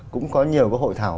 cũng có nhiều cái hội thảo